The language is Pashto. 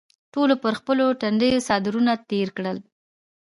ټولو پر خپلو ټنډو څادرونه تېر کړل.